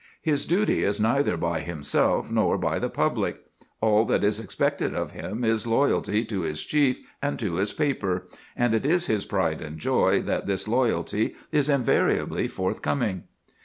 His duty is neither by himself nor by the public. All that is expected of him is loyalty to his chief and to his paper, and it is his pride and joy that this loyalty is invariably forthcoming.